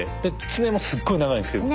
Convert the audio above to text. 爪もすっごい長いんですけど。